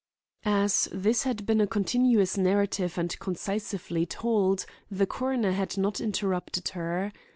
As this had been a continuous narrative and concisely told, the coroner had not interrupted her.